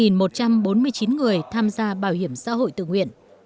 một trăm bốn mươi chín người tham gia bảo hiểm xã hội tự nguyện